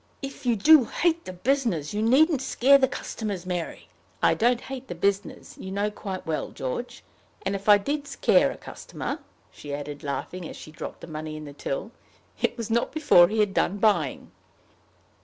If you do hate the business, you needn't scare the customers, Mary." "I don't hate the business, you know quite well, George. And if I did scare a customer," she added, laughing, as she dropped the money in the till, "it was not before he had done buying."